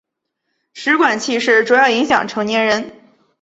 食管憩室主要影响成年人。